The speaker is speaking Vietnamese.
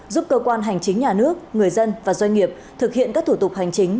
giúp cơ quan hành chính nhà nước người dân và doanh nghiệp thực hiện các thủ tục hành chính